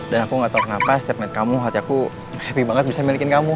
dan aku ngga tau kenapa start net kamu hati aku happy banget bisa memiliki kamu